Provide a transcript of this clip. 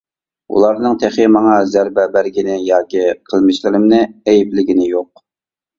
ئۇلارنىڭ تېخى ماڭا زەربە بەرگىنى ياكى قىلمىشلىرىمنى ئەيىبلىگىنى يوق.